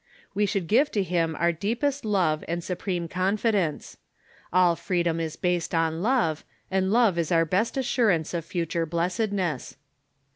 We should give to him our deepest love and supreme confidence. All freedom is based on love, and love is our best assurance of future blessedness.